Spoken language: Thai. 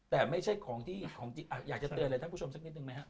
แต่ไม่ใช่ของที่อยากจะเตือนเลยทางคุณผู้ชมสักนิดนึงไหมครับ